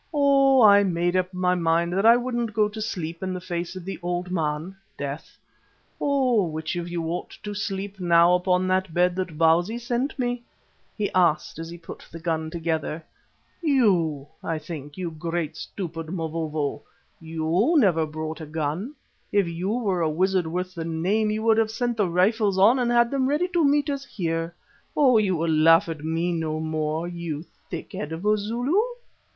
Oh! I made up my mind that I wouldn't go to sleep in the face of the Old Man (death). Oh! which of you ought to sleep now upon that bed that Bausi sent me?" he asked as he put the gun together. "You, I think, you great stupid Mavovo. You never brought a gun. If you were a wizard worth the name you would have sent the rifles on and had them ready to meet us here. Oh! will you laugh at me any more, you thick head of a Zulu?"